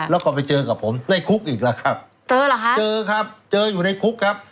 แล้วก็ไปเจอกับผมในคุกอีกแล้วครับเจอเหรอฮะเจอครับเจออยู่ในคุกครับ